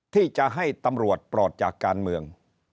ที่จะให้ตำรวจปลอดจากการเมือง